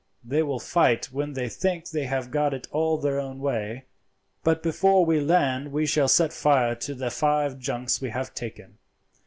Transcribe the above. They will fight when they think they have got it all their own way. But before we land we will set fire to the five junks we have taken.